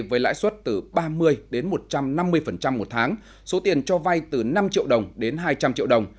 với lãi suất từ ba mươi đến một trăm năm mươi một tháng số tiền cho vay từ năm triệu đồng đến hai trăm linh triệu đồng